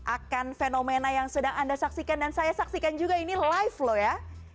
akan fenomena yang sedang anda saksikan dan saya saksikan juga ini live loh ya